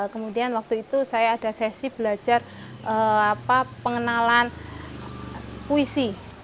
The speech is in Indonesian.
kemudian waktu itu saya ada sesi belajar pengenalan puisi